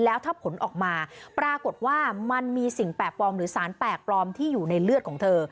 แล้วถ้าผลออกมาปรากฏว่ามันมีสิ่งแปลกปลอมหรือสารแปลกปลอมที่อยู่ในเลือดของเธอ